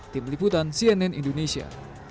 tim liputan cnn indonesia